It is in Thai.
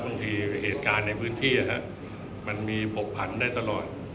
บางทีเหตุการณ์ในพื้นที่มันมีผกผันได้ตลอด